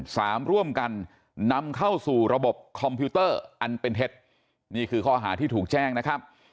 ร่วมกันนำเข้าสู่ระบบคอมพิวเตอร์อันเป็นเท็จนี่คือข้อหาที่ถูกแจ้งนะครับ